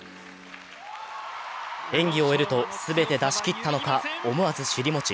演技を終えると、全て出しきったのか、思わず尻もち。